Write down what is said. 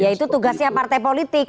ya itu tugasnya partai politik